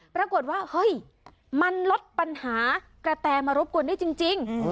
ปรากฏว่าเฮ้ยมันลดปัญหากระแตมารบกวนได้จริง